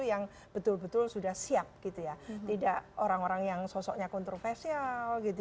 yang betul betul sudah siap gitu ya tidak orang orang yang sosoknya kontroversial